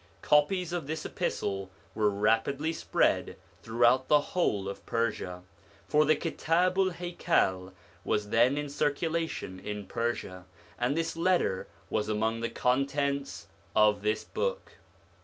Copies of this epistle were rapidly spread throughout the whole of Persia, for the Kitabu'l Haikal was then in circulation in Persia, and this letter was among the contents of this book.